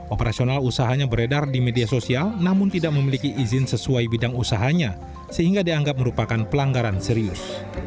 operasional usahanya beredar di media sosial namun tidak memiliki izin sesuai bidang usahanya sehingga dianggap merupakan pelanggaran serius